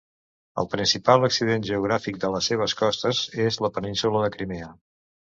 El principal accident geogràfic de les seves costes és la península de Crimea.